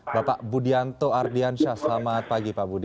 bapak budianto ardiansyah selamat pagi pak budi